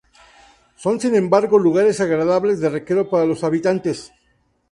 Son, sin embargo, lugares agradables de recreo para los habitantes.